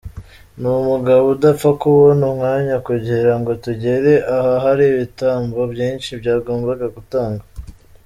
Ni umugabo udapfa kubona umwanya kugira ngo tugere aha hari ibitambo byinshi byagombaga gutangwa.